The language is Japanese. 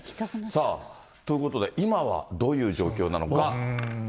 さあ、ということで今はどういう状況なのか。